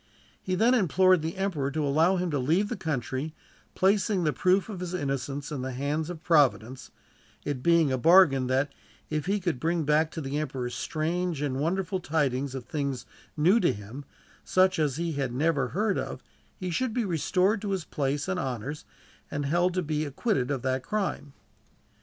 He then implored the emperor to allow him to leave the country, placing the proof of his innocence in the hands of Providence; it being a bargain that, if he could bring back to the emperor strange and wonderful tidings of things new to him, such as he had never heard of, he should be restored to his place and honors, and held to be acquitted of that crime.